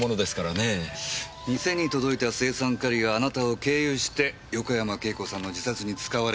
店に届いた青酸カリがあなたを経由して横山慶子さんの自殺に使われた。